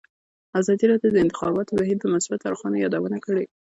ازادي راډیو د د انتخاباتو بهیر د مثبتو اړخونو یادونه کړې.